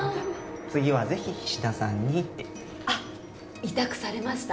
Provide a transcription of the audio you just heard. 次はぜひ菱田さんにって。あっ痛くされました？